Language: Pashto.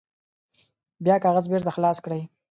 بیا کاغذ بیرته خلاص کړئ.